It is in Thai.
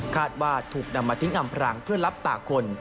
คาดว่าถูกนำมาทิ้งอำรังเพื่อรับตากล่อง